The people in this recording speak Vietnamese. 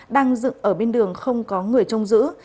đang dựng ở bên đường không có người trông giữ